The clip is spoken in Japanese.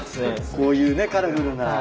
こういうねカラフルな。